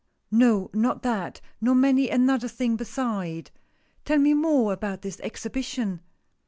"No, not that, nor many another thing beside. Tell me more about this Exhibition."